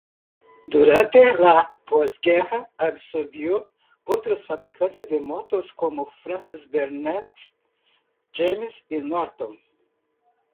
Durante la posguerra, absorbió otros fabricantes de motos como Francis-Barnett, James y Norton.